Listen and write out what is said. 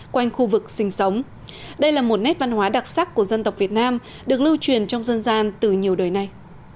quanh khu vực sinh sống đây là một nét văn hóa đặc sắc của dân tộc việt nam được lưu truyền trong dân gian từ nhiều đời nay